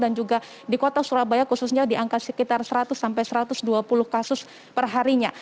dan juga di kota surabaya khususnya di angka sekitar seratus sampai satu ratus dua puluh kasus per harinya